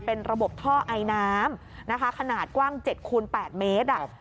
เป็นระบบท่อไอน้ำนะคะขนาดกว้าง๗คูณ๘เมตร